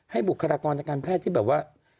ให้บุคลากรรมการแพทย์ที่แบบว่า